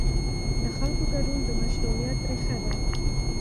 د خلکو ګډون د مشروعیت ریښه ده